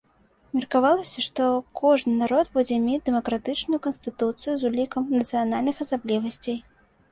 Меркавалася, што кожны народ будзе мець дэмакратычную канстытуцыю з улікам нацыянальных асаблівасцей.